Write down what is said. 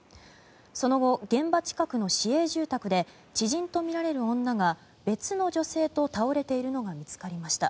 その後、現場近くの市営住宅で知人とみられる女が別の女性と倒れているのが見つかりました。